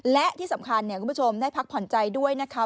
และที่สำคัญคุณผู้ชมได้พักผ่อนใจด้วยนะคะ